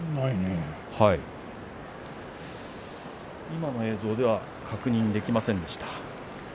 今の映像では確認できませんでした。